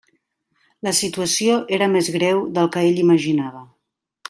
La situació era més greu del que ell imaginava.